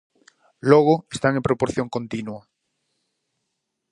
Logo están en proporción continua.